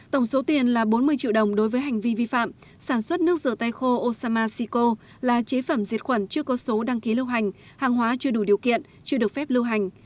tổng số tiền là bốn mươi triệu đồng đối với hành vi vi phạm sản xuất nước rửa tay khô osamas sico là chế phẩm diệt khuẩn chưa có số đăng ký lưu hành hàng hóa chưa đủ điều kiện chưa được phép lưu hành